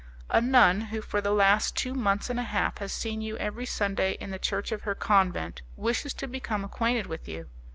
"A nun, who for the last two months and a half has seen you every Sunday in the church of her convent, wishes to become acquainted with you.